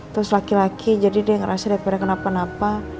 terus laki laki jadi dia ngerasa kenapa kenapa